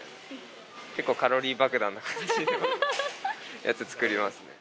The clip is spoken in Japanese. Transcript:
結構カロリー爆弾な感じなやつ作りますね。